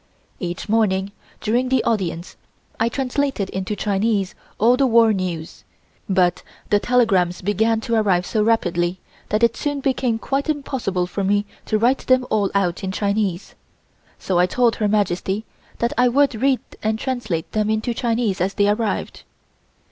Each morning during the audience I translated into Chinese all the war news, but the telegrams began to arrive so rapidly that it soon became quite impossible for me to write them all out in Chinese, so I told Her Majesty that I would read and translate them into Chinese as they arrived.